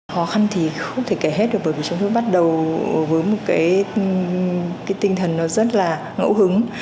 khó khăn thì không thể kể hết được bởi vì chúng tôi bắt đầu với một cái tinh thần nó rất là ngẫu hứng